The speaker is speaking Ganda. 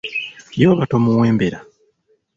Ye oba tomuwembera.